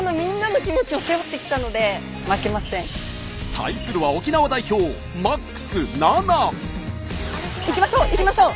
対するは行きましょう行きましょう。